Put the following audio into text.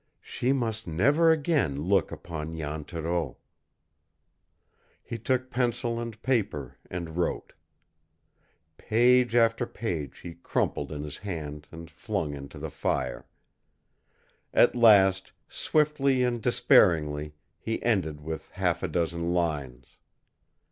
"She must never again look upon Jan Thoreau." He took pencil and paper and wrote. Page after page he crumpled in his hand and flung into the fire. At last, swiftly and despairingly, he ended with half a dozen lines.